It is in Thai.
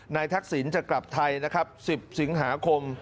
นายทักศิลป์จะกลับไทย๑๐สิงหาคม